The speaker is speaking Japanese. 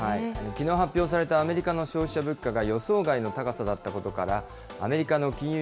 きのう発表されたアメリカの消費者物価が予想外の高さだったことから、アメリカの金融